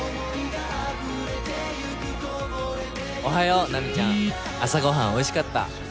「おはようナミちゃん朝ごはんおいしかった」